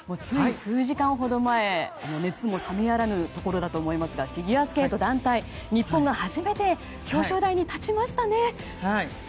つい数時間ほど前熱も冷めやらぬところだと思いますがフィギュアスケート団体日本が初めて表彰台に立ちましたね。